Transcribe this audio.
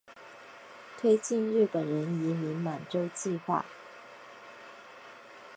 推进日本人移民满洲计划。